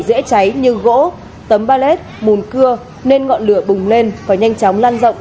dễ cháy như gỗ tấm balet mùn cưa nên ngọn lửa bùng lên và nhanh chóng lan rộng